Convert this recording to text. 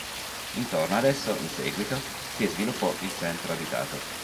Intorno ad esso, in seguito, si sviluppò il centro abitato.